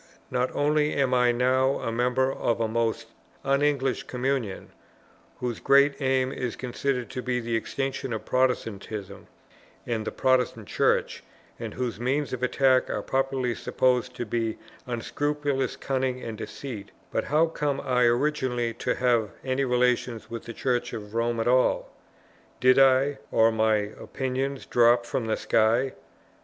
Not only am I now a member of a most un English communion, whose great aim is considered to be the extinction of Protestantism and the Protestant Church, and whose means of attack are popularly supposed to be unscrupulous cunning and deceit, but how came I originally to have any relations with the Church of Rome at all? did I, or my opinions, drop from the sky?